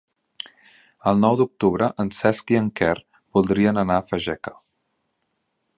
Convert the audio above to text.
El nou d'octubre en Cesc i en Quer voldrien anar a Fageca.